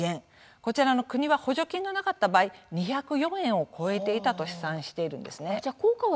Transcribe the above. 国は補助金がなかった場合２０４円を超えていたと試算しているんですね。